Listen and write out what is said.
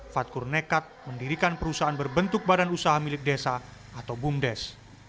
fadkur nekat mendirikan perusahaan berbentuk badan usaha milik desa atau bumdes